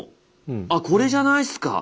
あっこれじゃないっすか？